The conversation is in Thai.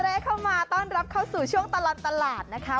ได้เข้ามาต้อนรับเข้าสู่ช่วงตลอดตลาดนะคะ